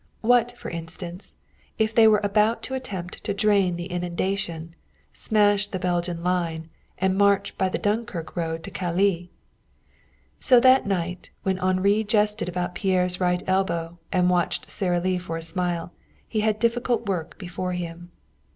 What, for instance, if they were about to attempt to drain the inundation, smash the Belgian line, and march by the Dunkirk road to Calais? So, that night while Henri jested about Pierre's right elbow and watched Sara Lee for a smile, he had difficult work before him.